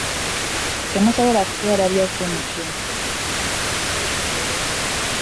Temusobola kutwala byaffe mutyo.